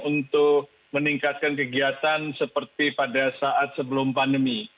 untuk meningkatkan kegiatan seperti pada saat sebelum pandemi